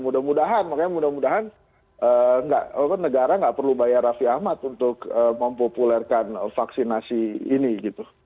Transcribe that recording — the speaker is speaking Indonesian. mudah mudahan makanya mudah mudahan negara nggak perlu bayar raffi ahmad untuk mempopulerkan vaksinasi ini gitu